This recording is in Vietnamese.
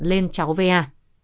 lên cháu va